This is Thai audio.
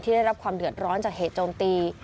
ได้รับความเดือดร้อนจากเหตุโจมตี